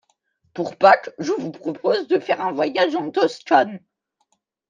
Pour Pâques, je vous propose de faire un voyage en Toscane.